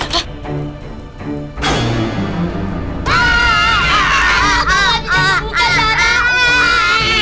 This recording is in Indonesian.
aduh belum bisa dibuka zara